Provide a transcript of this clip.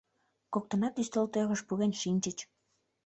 Коктынат ӱстелтӧрыш пурен шинчыч.